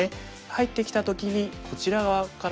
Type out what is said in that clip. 入ってきた時にこちら側からツメましょう。